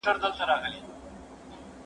زه پرون مېوې خورم؟